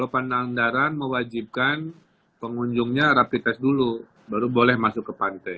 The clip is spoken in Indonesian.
pandang mewajibkan pengunjungnya rapid test dulu baru boleh masuk ke pantai